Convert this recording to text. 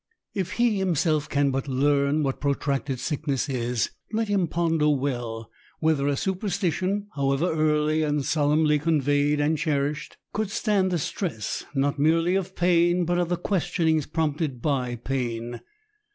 If he himself can but learn what protracted sickness is, let him ponder well whether a superstition, however early and so lemnly conveyed and cherished, could stand the stress,— not merely of pain, but of the questionings prompted by pain.